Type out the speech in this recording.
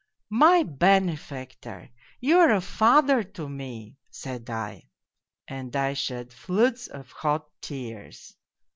"' My benefactor ! You are a father to me !' said I. And I shed floods of hot tears.